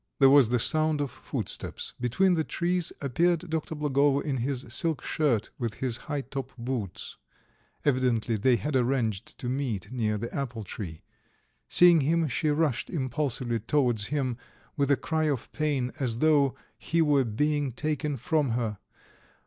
There was the sound of footsteps; between the trees appeared Dr. Blagovo in his silk shirt with his high top boots. Evidently they had arranged to meet near the apple tree. Seeing him, she rushed impulsively towards him with a cry of pain as though he were being taken from her.